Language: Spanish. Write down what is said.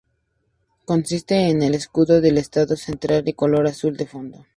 Consiste en el escudo del estado centrado y color azul de fondo.